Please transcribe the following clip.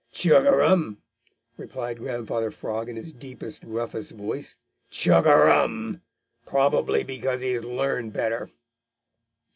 "Chug a rum!" replied Grandfather Frog in his deepest, gruffest voice. "Chug a rum! Probably because he has learned better."